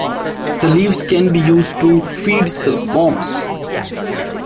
The leaves can be used to feed silk worms.